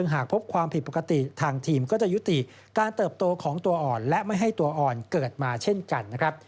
หากพบความผิดปกติทางทีมก็จะยุติการเติบโตของตัวอ่อนและไม่ให้ตัวอ่อนเกิดมาเช่นกันนะครับ